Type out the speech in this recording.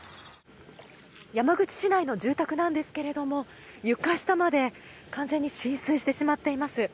山口市内の住宅なんですけれども床下まで完全に浸水してしまっています。